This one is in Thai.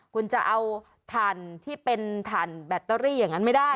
คุณจะเอาถ่านที่เป็นถ่านแบตเตอรี่อย่างนั้นไม่ได้